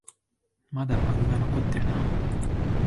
まだバグが残ってるな